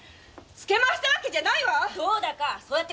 付け回したわけじゃないわっ‼